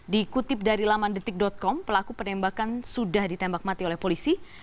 dikutip dari laman detik com pelaku penembakan sudah ditembak mati oleh polisi